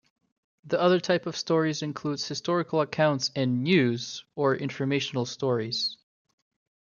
The other type of stories includes historical accounts and "news" or informational stories.